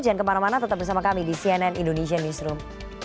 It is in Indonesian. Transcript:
jangan kemana mana tetap bersama kami di cnn indonesia newsroom